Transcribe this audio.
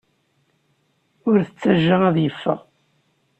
Ur t-ttajja ad yeffeɣ.